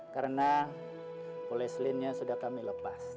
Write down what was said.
karena polislinnya sudah kami lepas